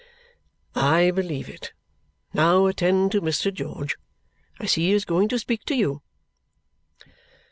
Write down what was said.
"I believe it, now attend to Mr. George. I see he is going to speak to you."